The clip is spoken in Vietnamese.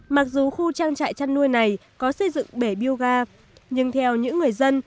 mặc dù khu trang trại chăn nuôi này có xây dựng bể biêu ga nhưng theo những người dân